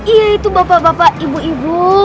iya itu bapak bapak ibu ibu